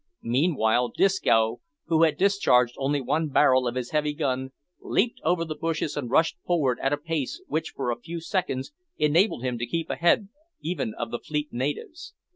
Meanwhile Disco, who had discharged only one barrel of his heavy gun, leaped over the bushes, and rushed forward at a pace which for a few seconds enabled him to keep ahead even of the fleet natives.